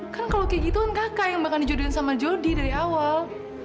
kan kalau kayak gitu kakak yang bakal dijodohin sama jody dari awal